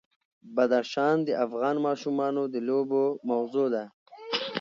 بدخشان د افغان ماشومانو د لوبو موضوع ده.